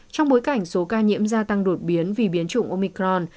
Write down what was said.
trong bối cảnh số ca nhiễm gia tăng đột biến vì biến chủng omicron